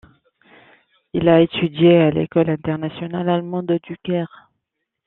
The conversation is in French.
Il a étudié à l'École internationale allemande du Caire.